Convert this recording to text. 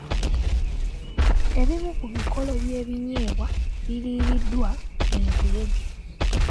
Ebimu ku bikolo by'ebinyeebwa biriiriddwa enkuyege.